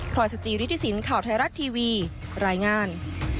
รอยสจิริฐศิลป์ข่าวไทยรัฐทีวีรายงาน